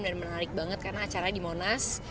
dan menarik banget karena acaranya di monas